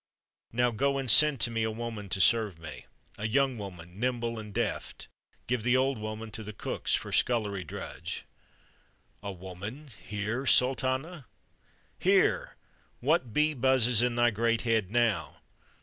Now go and send to me a woman to serve me: a young woman, nimble and deft; give the old woman to the cooks for scullery drudge." "A woman here, Sultana?" "Here! What bee buzzes in thy great head now?"